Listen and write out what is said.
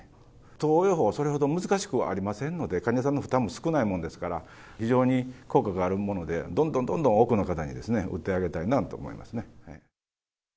投与法はそれほど難しくはありませんので、患者さんの負担も少ないもんですから、非常に効果があるもので、どんどんどんどん多くの方に打ってあげたいなと思いますね。